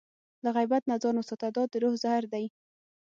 له غیبت نه ځان وساته، دا د روح زهر دی.